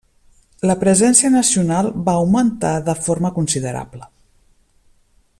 La presència nacional va augmentar de forma considerable.